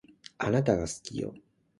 あなたが好きよ